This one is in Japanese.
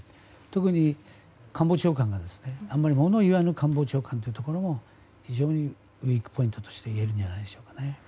特に官房長官が、あまり物言わぬ官房長官というところも非常にウィークポイントといえるんじゃないでしょうか。